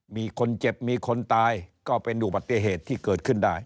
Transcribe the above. มีคนเจ็บมีคนตายก็เป็นอุบัติเหตุที่เกิดขึ้นได้